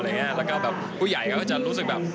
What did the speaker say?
แล้วก็แบบผู้ใหญ่ก็จะรู้สึกแบบ